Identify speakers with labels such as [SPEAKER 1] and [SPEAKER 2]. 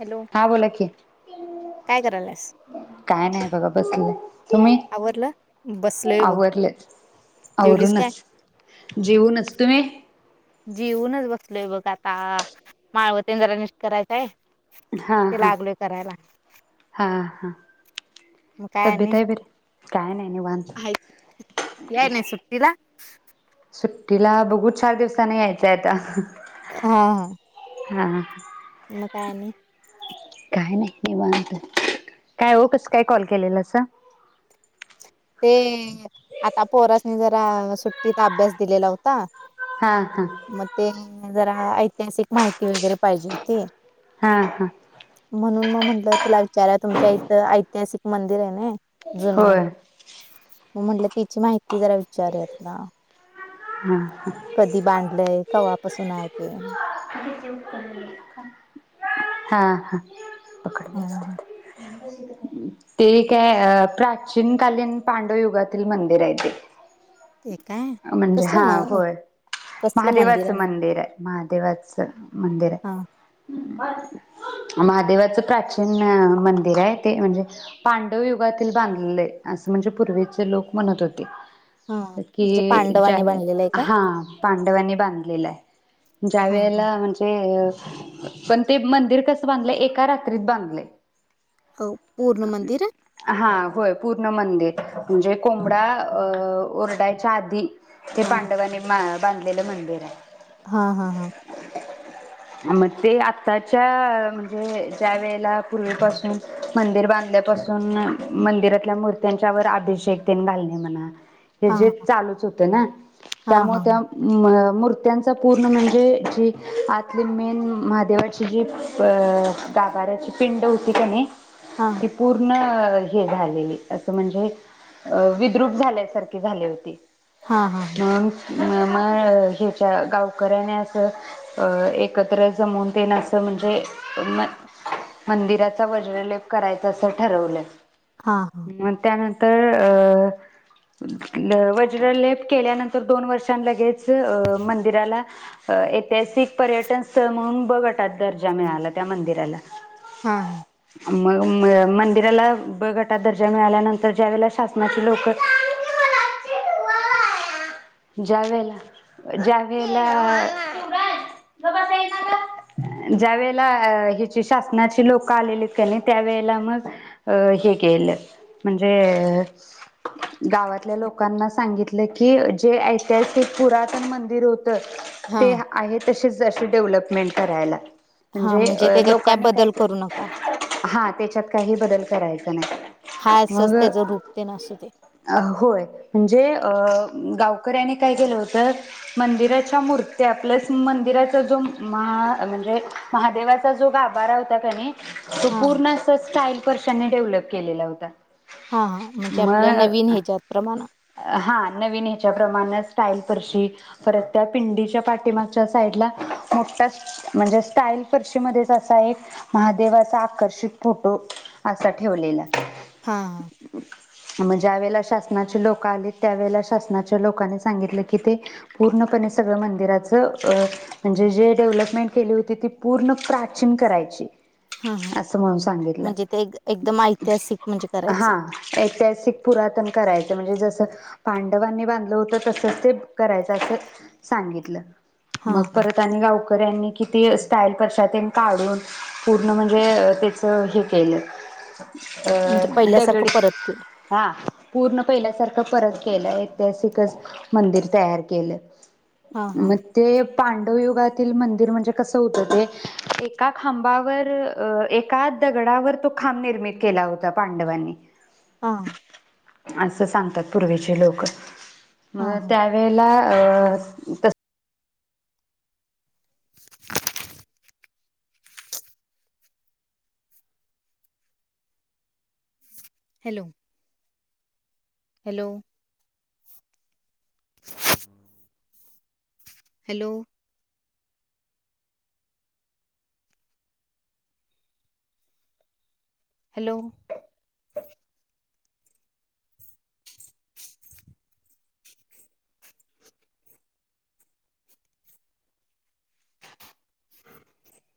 [SPEAKER 1] Hello
[SPEAKER 2] हा बोला की?
[SPEAKER 1] काय करायलास
[SPEAKER 2] काय नाही बघा बसलोय. तुम्ही?
[SPEAKER 1] आवरलं बसलोय बघ
[SPEAKER 2] आवरलच
[SPEAKER 1] जेवलीस काय
[SPEAKER 2] आवरूनच जेवूनच तुम्ही?
[SPEAKER 1] लय बघ आता माळवते जरा निश् करायचांय
[SPEAKER 2] हा हा हा! हां
[SPEAKER 1] म काय आणि?
[SPEAKER 2] काय नाही. निवांत
[SPEAKER 1] हाईत. याय नई सुट्टीला?
[SPEAKER 2] तिला बघू चार दिवसानी यायचंय आता
[SPEAKER 1] हा हा
[SPEAKER 2] हा
[SPEAKER 1] म काय आणि?
[SPEAKER 2] काय नाही निवांत काय ओ कसं काय कॉल केलेलासा?
[SPEAKER 1] ते आता पोरास हे जरा सुट्टीत अभ्यास दिलेला हुता
[SPEAKER 2] हा हा
[SPEAKER 1] म ते जरा ऐतिहासिक माहिती वगैरे पाहिजे होती
[SPEAKER 2] हा हा
[SPEAKER 1] म्हणून मग म्हणल तुला विचारुयां तुमच्या इथ आ तिहासिक मंदिर हाय नि जुनं
[SPEAKER 2] होय
[SPEAKER 1] म म्हणलं तिची माहिती जरा विचारूया तुला
[SPEAKER 2] हा हा
[SPEAKER 1] कधी बांडलंय कवा बसूनाय ते
[SPEAKER 2] हा हा
[SPEAKER 1] हा
[SPEAKER 2] पकडले
[SPEAKER 1] हा
[SPEAKER 2] [inaudible] ते काय अ प्राचीन कालीन पांडवयुगातील मंदिर हाय ते.
[SPEAKER 1] ते काय
[SPEAKER 2] म्हणजे
[SPEAKER 1] कसलं
[SPEAKER 2] हा
[SPEAKER 1] म
[SPEAKER 2] होय
[SPEAKER 1] कसलं मंदिर
[SPEAKER 2] महादेवाचं
[SPEAKER 1] आहे
[SPEAKER 2] मंदिराय, महादेवाच चं मंदिर
[SPEAKER 1] हा
[SPEAKER 2] हाय महादेवाचं प्राचीन अ मंदिर आहे ते म्हणजे पांडव युगातील बांधलय, असं म्हणजे पूर्वीचे लोक म्हणत होते
[SPEAKER 1] हा म्हणजे
[SPEAKER 2] कि ज्या
[SPEAKER 1] पांडवांनी बनलेलं आहे
[SPEAKER 2] वेळेला
[SPEAKER 1] काय?
[SPEAKER 2] हा पाणी पांडवांनी बांधलेला आहे ज्या
[SPEAKER 1] हा हा!
[SPEAKER 2] वेळेला म्हणजे पण ते मंदिर कसं बांधलंय, एका रात्रीत बांधलय
[SPEAKER 1] आव पूर्ण मंदिर?
[SPEAKER 2] होय पूर्ण मंदिर म्हणजे कोंबडा अ ओरडायच्या आधी ते
[SPEAKER 1] हा
[SPEAKER 2] पांडवांनी म बांधलेलं मंदिर हाय.
[SPEAKER 1] हा हा हा!
[SPEAKER 2] मग ते आत्ताच्या म्हणजे ज्या वेळेला पूर्वीपासून मंदिर बांधल्यापासून मंदिरातल्या मूर्त्यांच्या वर आभिषेकतेन घालणे म्हणा हे
[SPEAKER 1] हा
[SPEAKER 2] जे चालूच होत ना,
[SPEAKER 1] हा हा
[SPEAKER 2] त्यामुळे
[SPEAKER 1] हा
[SPEAKER 2] त्या म मृर्त्यांचा पूर्ण म्हणजे ज आतली मेन महादेवाची जी प-अ गाभाऱ्याची पिंड हुती कने
[SPEAKER 1] हा
[SPEAKER 2] ती पूर्ण हे झालेली, असं म्हणजे विद्रूप झाल्यासारखे झाले होती
[SPEAKER 1] हा हा हा!
[SPEAKER 2] म मग ह्याच्या गावकऱ्याने अस अ एकत्र जमून तेन असं म्हणजे म मंदिराचा वज्रलेप करायच असं ठरवलं
[SPEAKER 1] हा हा
[SPEAKER 2] म त्यानंतर तर अ वज्रलेप केल्यानंतर दोन वर्षांन लगेच मंदिराला ऐतिहासिक पर्यटन स्थळ म्हणून ब गटात दर्जा मिळाला त्या मंदिराला
[SPEAKER 1] हा ह!
[SPEAKER 2] मग म मंदिराला ब गटात दर्जा मिळाल्यानंतर, ज्या वेळेला शासनाची लोकं ज्या वळेला, ज्या वेळेला अ ज्या वेळेला अ हेची शासनाची लोकं आलेलीत कनी त्यावेेळेला मग अ हे केलं म्हणजे, गावातल्या लोकांना सांगितलं की, जे ऐतिहासिक पुरातन मंदिर होतं ते
[SPEAKER 1] हा
[SPEAKER 2] आहेत तशीच अशी डेव्हलपमेंट करायला
[SPEAKER 1] हा
[SPEAKER 2] म्हणजे
[SPEAKER 1] त्याच्यात
[SPEAKER 2] लोकांनी काय
[SPEAKER 1] बदल करू
[SPEAKER 2] तरी
[SPEAKER 1] नका
[SPEAKER 2] हा त्याच्यात काहीही बदल करायचा
[SPEAKER 1] हा
[SPEAKER 2] त्यांन
[SPEAKER 1] असंच
[SPEAKER 2] मग
[SPEAKER 1] त्याचं रूप तेन असू दे.
[SPEAKER 2] होय म्हणजे, अ गाव कऱ्यानी काय केलं होत, मंदिराच्या मूर्ती ते आपल्यास मंदिराचा जो महा म्हणजे, महादेवाचा जो गाभारा होता कने तो
[SPEAKER 1] हा
[SPEAKER 2] पूर्ण असं स्टाईल फ त्यांनी डेव्हलप केलेला होता.
[SPEAKER 1] हा हा म्हणजे आपल्या
[SPEAKER 2] मग
[SPEAKER 1] नवीन ह्याच्यात प्रमाण
[SPEAKER 2] हा नवीन ह्याच्या प्रमाणच टाईल परशी परत त्या पिंडीच्या त्या पाठीमागच्या साईडला मोठा म्हणजे स्टाईल फर्शी मध्येच असा एक महादेव असा आकर्षित फोटो असा ठेवलेला
[SPEAKER 1] हा हा
[SPEAKER 2] म ज्या वेळेला शासनाची लोकं आलीत त्यावेळेला शासनाच्या लोकांनी सांगितलं की ते पूर्णपणे सगळं मंदिरात ज म्हणजे जे डेव्हलपमेंट केली होती ती पूर्ण प्राचीन करायची
[SPEAKER 1] हा हा
[SPEAKER 2] अस म्हणून सांगितलं
[SPEAKER 1] म्हणजे ते एक- एकदम ऐतिहासिक म्हणजे करायचं.
[SPEAKER 2] हा ऐतिहासिक पुरातन करायचं म्हणजे जस जे पांडवांनी बांधलं होत तसच ते करायचं असं सांगितलं
[SPEAKER 1] हा
[SPEAKER 2] मग
[SPEAKER 1] हा
[SPEAKER 2] परत आणि गावकऱ्यांनी ती स्टाईल परशातेन काढून पूर्ण म्हणजे तेचं हे केलं.
[SPEAKER 1] म्हणजे
[SPEAKER 2] अ
[SPEAKER 1] पहिल्यासारखं
[SPEAKER 2] दगडी
[SPEAKER 1] परत केलं.
[SPEAKER 2] हा पूर्ण पहिल्यासारखं परत केलंय ऐतिहासिकच मंदिर तयार केलं.
[SPEAKER 1] हा हा
[SPEAKER 2] मग ते पांडवयुगातील मंदिर म्हणजे कसं होतं ते एका खांबावर एका दगडावर तो खांब निर्मित केला होता पांडवांनी
[SPEAKER 1] हा
[SPEAKER 2] असं सांगतात पूर्वीचे लोकं
[SPEAKER 1] हा
[SPEAKER 2] म
[SPEAKER 1] हा
[SPEAKER 2] त्यावेेळेला अ स तस
[SPEAKER 1] हॅलो! हॅलो ह [inaudible] हॅलो हॅलो ह [inaudible]